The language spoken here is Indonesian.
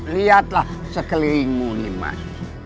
lihatlah sekelilingmu iman